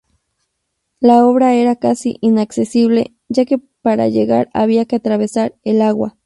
La obra era casi inaccesible ya que para llegar había que atravesar el agua.